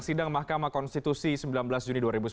sidang mahkamah konstitusi sembilan belas juni dua ribu sembilan belas